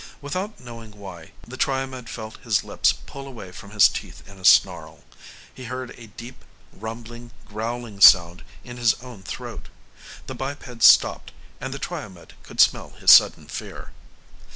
Without knowing why, the Triomed felt his lips pull away from his teeth in a snarl. He heard a deep, rumbling growling sound in his own throat. The biped stopped, and the Triomed could smell his sudden fear.